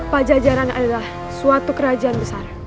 pak jajaran adalah suatu kerajaan besar